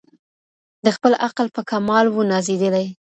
د خپل عقل په کمال وو نازېدلی